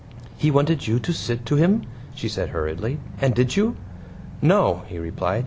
"He wanted you to sit to him," she said hurriedly, "and did you?" "No," he replied.